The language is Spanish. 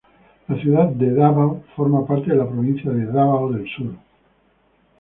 La ciudad de Dávao forma parte de la provincia de Dávao del Sur.